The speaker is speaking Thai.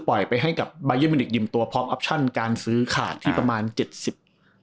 ไปให้กับบายันมิวนิกยิมตัวพร้อมออปชั่นการซื้อขาดที่ประมาณเจ็ดสิบ